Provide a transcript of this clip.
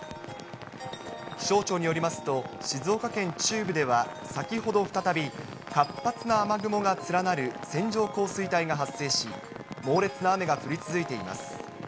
気象庁によりますと、静岡県中部では先ほど再び、活発な雨雲が連なる線状降水帯が発生し、猛烈な雨が降り続いています。